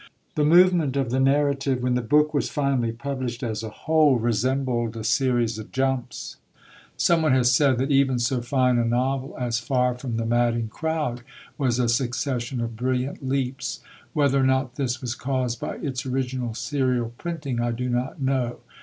The movement of the narrative, when the book was finally published as a whole, resembled a series of jumps. Someone has said, that even so fine a novel as Far from the Madding Crowd was a succession of brilliant leaps; whether or not this was caused by its original serial printing, I do not know.